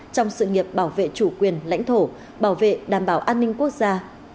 trong sự nghiệp bảo vệ chủ quyền lãnh thổ bảo vệ đảm bảo an ninh quốc gia